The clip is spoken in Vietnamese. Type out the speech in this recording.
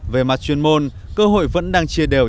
về mặt chuyên môn cơ hội vẫn đang chia đều